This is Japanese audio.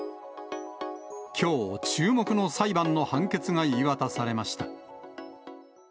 きょう、注目の裁判の判決が言い渡されました。